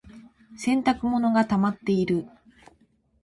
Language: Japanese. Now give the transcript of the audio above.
洗濯物がたまっている。